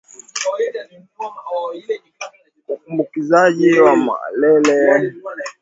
Uambukizaji wa malale kupitia kwa mbung'o waliomuuma mnyama aliyeambukizwa